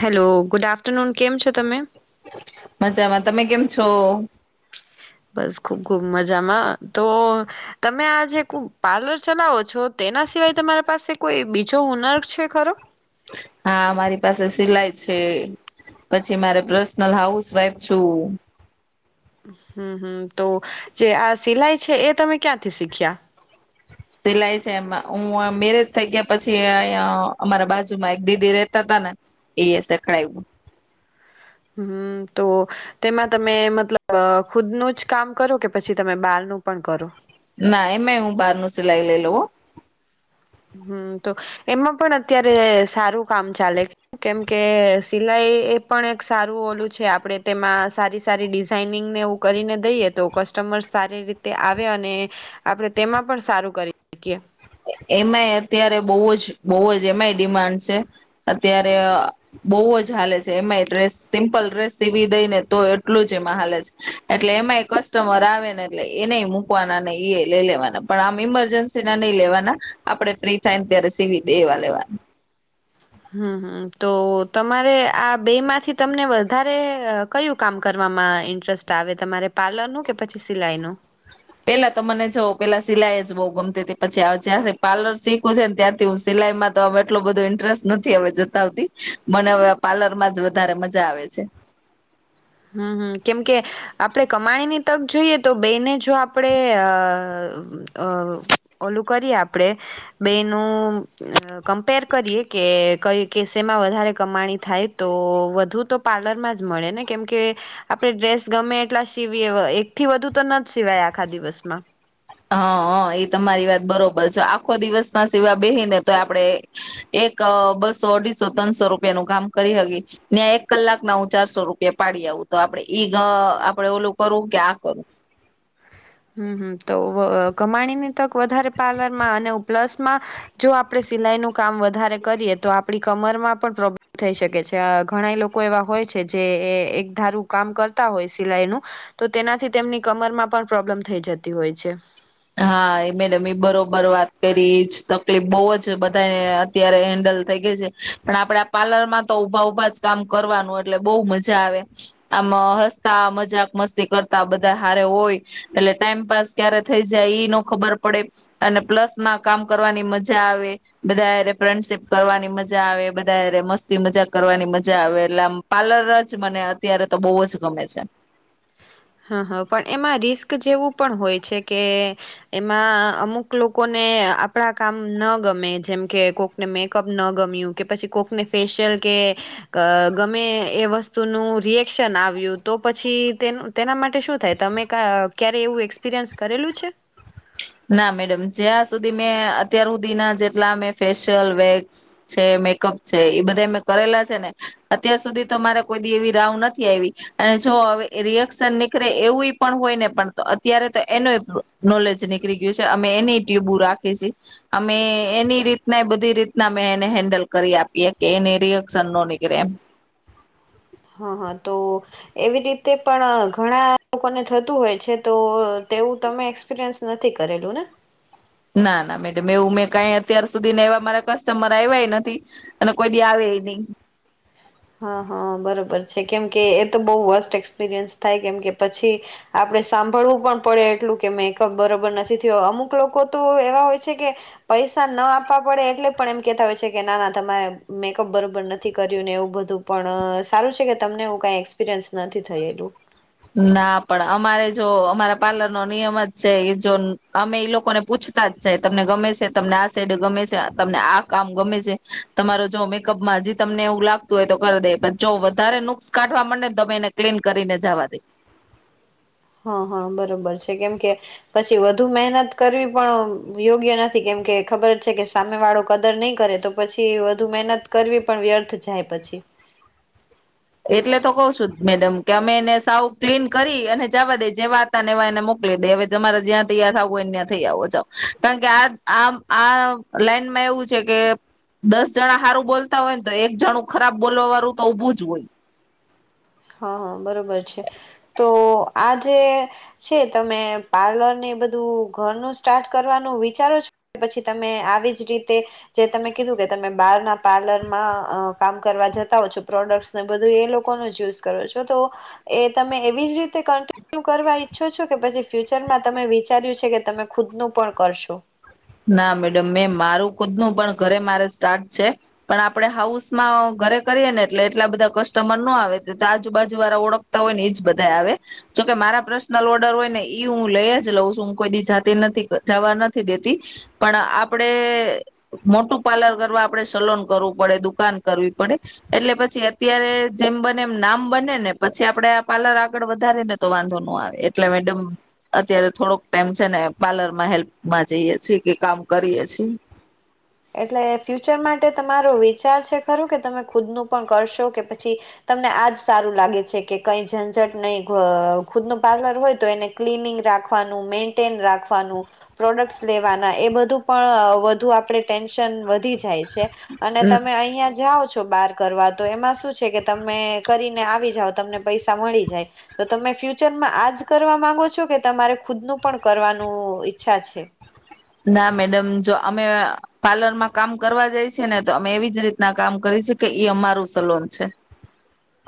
Hello good after afternoon કેમ છો તમે? મજામાં તમે કેમ છો? બસ ખુબ ખુબ મજામા. તો તમે આ જે કુ પાર્લર ચલાવો છો, તેના સિવાય તમારા પાસે કોઈ બીજો હુનર છે ખરો? હા મારી પાસે સિલાઈ છે. પછી મારે પર્સનલ હાઉસવાઇફ છું. હમ હમ તો જે આ સિલાઈ છે. એ તમે ક્યાંથી શીખ્યા? સિલાઈ છે એમાં હું મેરેજ થઈ ગયા પછી અ અમારા બાજુમાં એક દીદી રેતા તા ને એ યે શેખડાયું. હમ તો તેમાં તમે મતલબ ખુદનું જ કામ કરો કે, પછી તમે બારનું પણ કરો? ના એમે હું બહાર નું સિલાઈ લઈ લઉ હો. હમ તો એમાં પણ, અત્યારે સારું કામ ચાલે. કેમકે સિલાઈ એ પણ એક સારું ઓલું છે. આપણે તેમાં સારી સારી ડિઝાઈનિંગને એવું કરીને દઈએ, તો કસ્ટમર સારી રીતે આવે અને આપણેે તેમાં પણ સારું કરી શકીએ. એમાંય અત્યારે બહુ જ બહુ જ એમાંય ડિમાન્ડ છે. અત્યારે બહુ જ હાલે છે. એમાંય ડ્રેસ, સિમ્પલ ડ્રેસ સીવી દઈ ને તો એટલું જ એમાં હાલે છે. એટલે એમાંય કસ્ટમર આવે ને, એટલે એનેય મૂકવાના નય ઈએ લય લેવાના પણ આમ ઇમરજન્સીના નહી લેવાના, આપડે ફ્રી થાયને ત્યારે સીવી દે એવા લેવાના. હમ હમ તો તમારે આ બે માંથી તમને વધારે કયું કામ કરવામાં ઇન્ટરેસ્ટ આવે, તમારે પાર્લરનું કે પછી સિલાઈનું? પેલા તો મને જો પેલા સિલાઈ જ બઉુ ગમતી હતી. પછી જંયારથી પાર્લર શીખ્યુઃ છે ને ત્યારથી સિલાઈમાં તો હ એટલોું બધો ઇન્ટરેસ્ટ નથી હ જતાવતી મને હવે પાર્લર માં જ વધારે મજા આવે છે. હમ હમ કેમકે આપણેે કમાણીની તક જોઈએ તો બેય ને જો આપડે અઅ ઓલું કરીએ આપડણે બેય નુ કમ્પેર કરીએ કે કઈ કે સેમાં વધારે કમાણી થાય. તો વધુ તો પાર્લરમાં જ મળે ને. કેમ કે આપણે ડ્રેસ ગમે એટલા સીવીએ, એક થી વધુ તો ન જ સિવાય આખા દિવસમાં. હા હ એ તમારી વાત બરોબર છે આખો દિવસ ના સિવાય બેહીને તો આપડે એક બસો અઢીસો ત્રણસો રૂપિયાનું કામ કરી હતીકી ત્યાં એક કલાક ના હું ચારસો રૂપિયા પાડી આવું તો આપડે ઈ આપડે ઓલું કરું કે આ કરું હમ્મ હમ્મ તો કમાણીની તક વધારે પાર્લરમાં અને પ્લસમાં જો આપણે સિલાઈનું કામ વધારે કરીએ તો આપડી કમરમાં પણ પ્રોબ્લમ થઈ શકે છે ઘણા લોકો એવા હોય છે જે એ એક ધારું કામ કરતા હોય સિલાઈનું તો તેનાથી તેમની કમરમાં પણ પ્રોબ્લેમ થઈ જતી હોય છે. હા એ મેડમ બરોબર વાત કરી જ તકલીફ બહુ જ બધાને અત્યારે હેન્ડલ થઈ ગઈ છે પણ આપડા પાર્લર માં તો ઉભા ઉભા જ કામ કરવાનું એટલે બહુ મજા આવે આમ હસતા મજાક મસ્તી કરતા બધા હારે હોય એટલે ટાઈમપાસ ક્યારે થઈ જાય ન ખબર પડે અને પ્લસ માં કામ કરવાની મજા આવે બધા ફ્રેન્ડશીપ કરવાની મજા આવે બધા મસ્તી મજાક કરવાની મજા આવે એટલે આમ પાર્લર જ મને અત્યારે તો બહુ જ ગમે છે હા હા પણ એમાં રિસ્ક જેવું પણ હોય છે કે એમાં અમુક લોકોને આપણા કામ ન ગમે જેમ કે કોકને મેકઅપ ન ગમ્યું કે પછી કોકને ફેશિયલ કે ગમે એ વસ્તુનું રિએક્શન આવ્યું તો પછી તેનું તેના માટે શું થાય તમે ક ક્યારે એવું એક્સપિરિયન્સ કરેલું છે ના મેડમ જ્યાં સુધી મેં અત્યાર હુધીના જેટલા મે ફેશિયલ વેક્સ છે મેકઅપ છે એ બધા મે કરેલા છે ને અત્યાર સુધી તો મારે કોઈી એવી રાવ નથી આવી અને જો હવે રિએક્શન નીકળે એવું પણ હોય ને પણ અત્યારે તો એનો નોલેજ નીકળ નીકળી ગયું છે અમે એની ટ્યુબુ રાખી છી અમે એની રીતના બધી રીતના અમે એને હેન્ડલ કરી આપીએ કે એને રિએક્શન ન નીકળે એમ હા હા તો એવી રીતે પણ ઘણા લોકોને થતું હોય છે તો તેવું તમે એક્સપિરયન્સ નથી કરેલું ને. ના ના મેડમ એવું મેં કઈ અત્યાર સુધી ને એવા મારા કસ્ટમર આવ્યા નથી અને કોઈ દી આવે ઈ નહી હા હા બરોબર છે કેમકે એ તો બઉુ વર્સ્ટ એક્સપિરિયન્સ થાય કેમ કે પછી આપડે સાંભળવું પણ પડે એટલું કે મેકઅપ બરોબર નથી થયો અમુક લોકો તો એવા હોય છે કે પૈસા ન આપવા પડે એટલે પણ એમ કેતા હોય છે કે ના ના તમારે મેકઅપ બરોબર નથી કર્યું ને એવું બધું. પણ સારું છે કે તમને એવું કઈ એક્સપિરિયન્સ નથી થયેલું. ના પણ અમારે જો અમારા પાર્લર નો નિયમ જ છે એ જો અમે ઈ લોકોને પૂછતા જ છે તમને ગમે છે તમને આ સાઈડ ગમે છે તમને આ કામ ગમે છે તમારો જો મેકઅપમાં જે તમને એવું લાગતું હોય તો કરી દે પણ જો વધારે નુકસ કાઢવા માંડે ને તો અમે એને ક્લીન કરીને જવા દઈ. હા હા બરોબર છે કેમકે પછી વધુ મહેનત કરવી પણ યોગ્ય નથી કેમકે ખબર જ છે કે સામે વાળો કદર નહીં કરે તો પછી વધુ મહેનત કરવી પણ વ્યર્થ જાય પછી. એટલે તો કઉ છું મેડમ. કે અમે એને સાવ ક્લીન કરી અને જવા દે જેવા હતા ને એવા એને મોકલી દે હવે તમારે જ્યાં તૈયાર થું હોયને ત્યાં થઈ આવો જાાવ કારણ કે આ આ આ લાઈનમાં એવું છે કે દસ જણા સારું બોલતા હોય ને તો એક જણું ખરાબ બોલવા વાળું તો ઉભું જ હોય. હા હા. બરોબર છે તો આ જે છે તમે પાર્લર ને બધું ઘરનું સ્ટાર્ટ કરવાનું વિચારો છો પછી તમે આવી જ રીતે જે તમે કીધું કે તમે બહાર ના પાર્લરમાં અ કામ કરવા જતા હો છો પ્રોડક્ટને બધું એ લોકો જ યુઝ. કરો છો તો એ તમે એવી જ રીતે કન્ટિન્યુ કરવા ઈચ્છો છો કે પછી ફ્યુચરમાં તમે વિચાર્યું છે કે તમે ખુદનું પણ કરશો. ના મેડમ મેં મારું ખુદનું પણ ઘરે મારે સ્ટાર્ટ છે પણ આપડે હાઉસમાં ઘરે કરીએ ને એટલે એટલા બધા કસ્ટમર ન આવે આજુબાજુ વાળા ઓળખતા હોય ને એજ બધા આવે જોકે મારા પર્સનલ ઓર્ડર હોય ને ઈ હું લઈ જ લઉં છું હું કોઈ દી જાતી નથી જવા નથી દેતી. પણ આપડે મોટું પાર્લર કરવા આપડે સલોન કરવું પડે દુકાન કરવી પડે એટલે પછી અત્યારે જેમ બને એમ નામ બને ને પછી આપડે આ પાર્લર આગળ વધારે ને તો વાંધો નો આવે એટલે મેડમ અત્યારે થોડોક ટાઈમ છે ને પાર્લર માં હેલ્પ માં જઈએ. છે કે કામ કરીએે છએ. એટલે ફ્યુચર માટે તમારો વિચાર છે ખરો કે તમે ખુદનું પણ કરશો કે પછી તમને આજ સારું લાગે છે કે કઈ ઝંઝટ નહી ગ ખ ખુદનું પાર્લર હોય તો એને ક્લીનિંગ રાખવાનું મેન્ટેન રાખવાનું પ્રોડક્ટસ લેવાના એ બધું પણ વધુ આપણે. ટેન્શન વધી જાય છે. અને તમે અહિયાં જાઓ છો. બાર કરવા તો એમાં શું છે કે તમે કરીને આવી જાાવ તમને પૈસા મળી જાય તો તમે ફ્યુચરમાં આજ કરવા માંગો છો કે તમારે ખુદનું પણ કરવાનું ઈચ્છા છે. ના મેડમ જો અમે પાર્લરમાં કામ કરવા જઈ છે ને તો અમે એવી જ રીતના કામ કરી છે કે એ અમારું સલોન છે.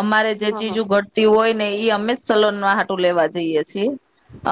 અમારે જે હા હા ચીજો ઘટતી હોય. ને એ અમે જ સલન ન આાટું લેવા જઈએ છીએ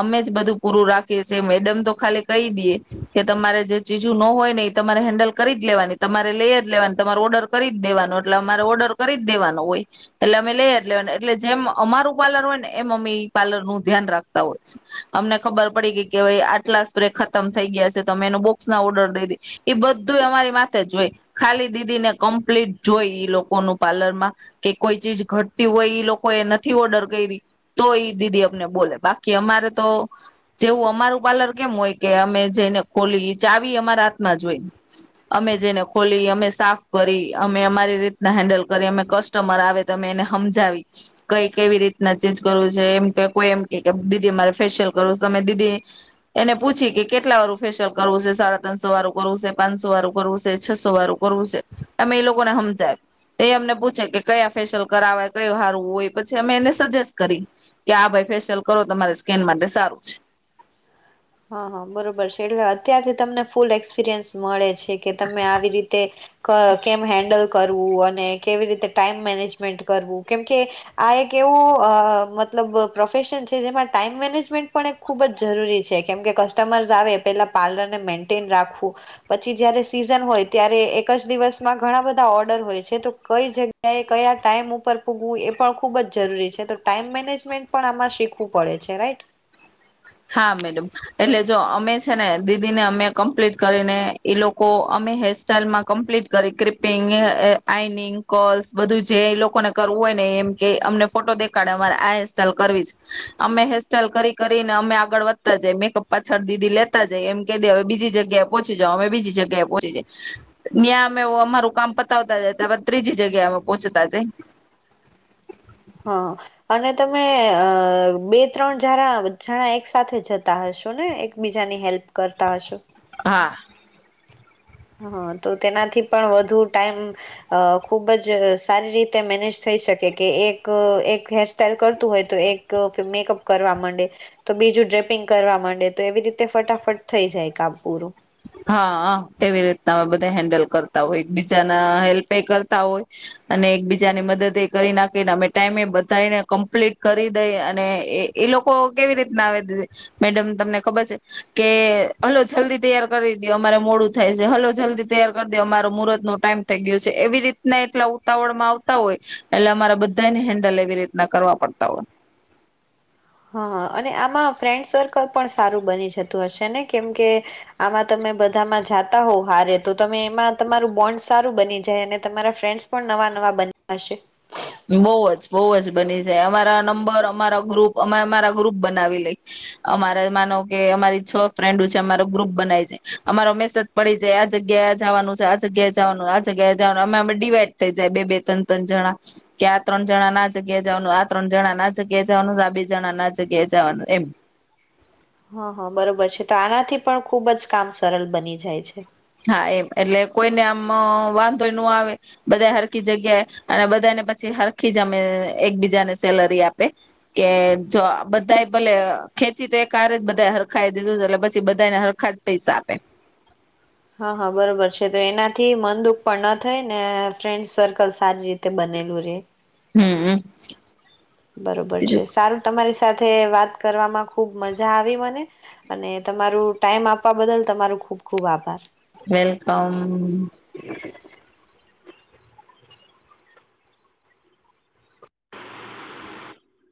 અમે જ બધું પૂરું રાખીએ છીએ મેડમ તો ખાલી કહી દઈએ. કે તમારે જે ચીજું ન હોય ને એ તમારે હેન્ડલ કરી જ લેવાની તમારે લઈ જ લેવાની તમારે ઓર્ડર કરી જ દેવાનો એટલે અમારે ઓર્ડર કરી જ દેવાનો હોય એટલે અમે લઈ જ લેવાનું એટલે જેમ અમારું પાર્લર હોય ને એમ અમે એ પાર્લર નું ધ્યાન રાખતા હોય છે અમને ખબર પડી ગઈ કે આટલા સ્પ્રે ખતમ. થય ગયા છે તો અમે બોક્સ ના ઓર્ડર દઈ દી એ બધું અમારી માથે જ જોય ખાલી દીદીને કમ્પ્લીટ જોઈ ઈ લોકોનું પાર્લર માં કે કોઈ ચીજ ઘટતી હોય ઈ લોકો એ નથી ઓર્ડર કરી તો એ દીદી અમને બોલે બાકી અમારે તો જેવું અમારું પાર્લર કેમ હોય કે અમે જેને ખોલી ચાવી અમારા હાથમાં જોય અમે જેને ખોલી અમે સાફ કરી અમે અમારી રીતના હેન્ડલ કરી અમે કસ્ટમર આવે તો અમે એને હમજાવી કઈ કેવી રીતના ચેજ કરવું છે એમ કોઈ એમ કે દીદી અમારે ફેેશિયલ કરવું છે અમે દીદી એને પૂછી કે. કેટલા વારું ફેશિયલ કરવું છે સાડા ત્રનસો વારું કરવું છે પાંચસો વાળું કરવું છે છસો વાળું કરવું છે અમે એ લોકોને સમજાય એ અમને પૂછે કે કયા ફેશિયલ કરાવવાે કયું સારું હોય પછી અમે એને સજેસ્ટ કરી કે આ ભાઈ ફેશિયલ કરવો તમારી સ્કીન માટે સારું છે. હા હા બરોબર છે એટલે અત્યારથી તમને ફૂલ એક્સપિરિયન્સ મળે છે. કે તમે આવી રીતે. કેમ હેન્ડલ કરવું અને કેવી રીતે ટાઈમ મેનેજમેન્ટ કરવું કેમકે આ એક એવો મતલબ પ્રોફેશન છે જેમાં ટાઈમ મેનેજમેન્ટ પણ એક ખૂબ જ જરૂરી છે. કેમ કે કસ્ટમર્સ આવે પેલા પાર્લરને મેન્ટેન રાખવું પછી જયારે સીઝન હોય ત્યારે એક જ દિવસમાં ઘણા બધા ઓર્ડર હોય છે તો કઈ જગ્યાએ કયા ટાાઈમ ઉપર પૂગવું એ પણ ખૂબ જ જરૂરી છે તો ટાઈમ મેનેજમેન્ટ પણ આમાં શીખવું પડે છે રાઈટ. હા મેડમ એટલે જો અમે છે ને દીદી ને અમે કમ્પ્લીટ કરીને એ લોકો અમે હેરસ્ટાઈલમાં કમ્પ્લીટ કરી ક્રિપિંગ અ આઈનિંગ કલ્સ બધું જે એ લોકોને કરવું હોય ને એમ કે અમને ફોટો દેખાડે અમારે આ હેરસ્ટાઈલ કરવી અમે હેરસ્ટાઈઇલ કરી કરી અમે આગળ વધતા જ મેકઅપ પાછળ દીદી લેતા જાય એમ ક દે હવે બીજી જગ્યાએ પહોચી જાવ અમે બીજી જગ્યાએ પહોચી જાય ત્યાં અમે અમારું કામ પતાવતા જાય ત્યારબદ ત્રીજી જગ્યા અમે પહોંચતા જ હા અને તમે અ બે ત્રણ જાર જણા એક સાથે જતા હશો ને એકબીજાની હેલ્પ કરતા હશો. હા. હા તો તેનાથી પણ વધુ ટાઈમ અ ખુબ જ સારી રીતે મેનેજ થઈ શકે કે એક એક હેરસ્ટાઈલ કરતું હોય તો એક મેકઅપ કરવા માંડે તો બીજું ડ્રેપિંગ કરવા માંડે તો એવી રીતે ફટાફટ થઇ જાય કામ પૂરું. હા કેવી રીતના અમે બધા હેન્ડલ કરતા હોય એક બીજાના હેલ્પ એ કરતા હોય અને એક બીજાની મદદ કરી નાખીને અમે ટાઈમે એ બધને કમ્પ્લીટ કરી દઈ અને એ લોકો કેવી રીતના આવે મેડમ તમને ખબર છે કે હલો જલ્દી તૈયાર કરી દયો અમારે મોડું થાય છે. હલો જલ્દી તૈયાર કરી દો અમારો મુૂરત નો ટાઈમ થઈ ગયો છે. એવી રીતના એટલા ઉતાવળમાં આવતા હોય, એટલે અમારે બધાને હેન્ડલ એવી રીતના કરવા પડતા હોય. હા અને આમાં ફ્રેન્ડ સર્કલ પણ સારું બની જતું હશે ને? કેમકે આમાં તમે બધામાં જાતા હોવ હારે તો, તમે એમાં તમારું બોન્ડ સારું બની જાય, અને તમારા ફ્રેન્ડસ પણ નવા નવા બન્યા હશે. તે અમારા નંબર, અમારા ગ્રુપ અમે અમારા ગ્રુપ બનાવી લઈ. અમારે માનો કે અમારી છ ફ્રેન્ડો છે, અમારો ગ્રુપ બનાવી જાય. અમારો મેસેજ પડી જાય આ જગ્યાએ જવાનું છે, આ જગ્યાએ જવાનું આ જગ્યા જવાનું અમે અ ડિવાઈડ થઇ જાય બે બે ત્રણ ત્રણ જણા. કે આ ત્રણ જણા ના આ જગ્યા જવાનું, આ ત્રણ જણા ના આ જગ્યા જવાનું, આ બે જણા ના આ જગ્યા જવાનું એમ. હા હા! બરોબર છે, તો આનાથી પણ ખુબ જ કામ સરળ બની જાય છે. હા એમ એટલે કોઈને આમ વાંધોય ન આવે, બધા હરખી જગ્યાએ અને બધાને પછી હરખી જ અમે એક બીજાને સેલરી આપે, કે જો બધા ભલે ખેંચી તો એકહારે જ બધા હરખાઈ દીધું. એટલે પછી બધાને હરખા જ પૈસા આપે. હા હા બરોબર છે. તો એનાથી મન દુઃખ પણ ન થઈ ને ફ્રેન્ડ સર્કલ સારી રીતે બનેલું રહેે. હમમ છે બીજું. સારું તમારી સાથે વાત કરવામાં ખુબ મજા આવી મને. અને તમારું ટાઈમ આપવા બદલ તમારું ખુબ ખુબ આભાર. વેલકમ